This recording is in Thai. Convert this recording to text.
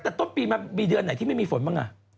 แต่ต้นปีมันมีเดือนไหนที่ไม่มีฝนบ้าง